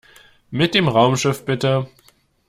Mit dem Raumschiff bitte!